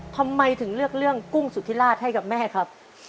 ทำไมถึงเลือกเรื่องกุ้งสุธิราชให้กับแม่ครับ